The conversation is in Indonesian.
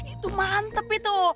itu mantep itu